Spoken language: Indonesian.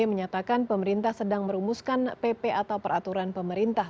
menyatakan pemerintah sedang merumuskan pp atau peraturan pemerintah